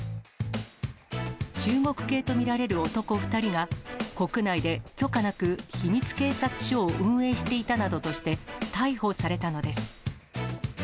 中国系と見られる男２人が、国内で許可なく秘密警察署を運営していたなどとして、逮捕されたのです。